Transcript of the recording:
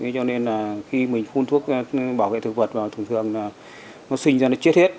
cho nên là khi mình phun thuốc bảo vệ thực vật và thường thường là nó sinh ra nó chết hết